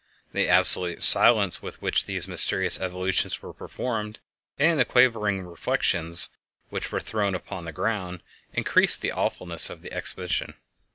The absolute silence with which these mysterious evolutions were performed and the quavering reflections which were thrown upon the ground increased the awfulness of the exhibition.